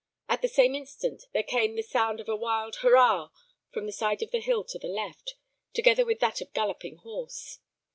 At the same instant there came the sound of a wild "Hurrah!" from the side of the hill to the left, together with that of galloping horse.